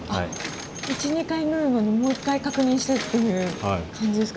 １２回縫うのにもう一回確認してっていう感じですか？